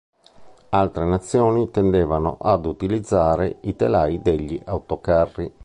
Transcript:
Altre nazioni tendevano ad utilizzare i telai degli autocarri.